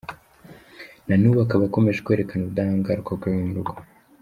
Na n'ubu akaba akomeje kwerekana ubudahangarwa bwe mu rugo.